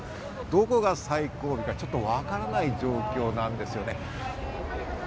どこが最後尾かちょっと、わからない状況なんですよね。